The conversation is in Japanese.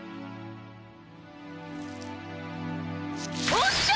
おっしゃ！